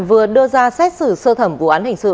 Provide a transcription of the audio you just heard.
vừa đưa ra xét xử sơ thẩm vụ án hình sự